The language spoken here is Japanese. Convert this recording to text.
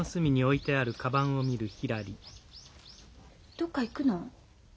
どっか行くの？